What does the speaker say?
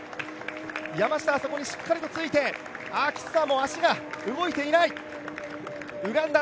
山下はそこにしっかりとついてキッサはもう足が動いていない。